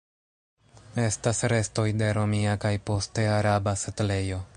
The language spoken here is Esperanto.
Estas restoj de romia kaj poste araba setlejo.